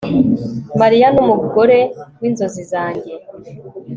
Mariya numugore winzozi zanjye